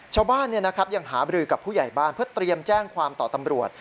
ชาวบ้านยังหาบรือกับผู้ใหญ่บ้านเพื่อเตรียมแจ้งความต่อตำรวจ